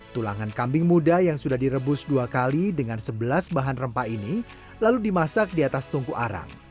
tulangan kambing muda yang sudah direbus dua kali dengan sebelas bahan rempah ini lalu dimasak di atas tungku arang